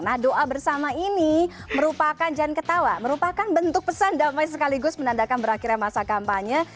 nah doa bersama ini merupakan jalan ketawa merupakan bentuk pesan damai sekaligus menandakan berakhirnya masa kampanye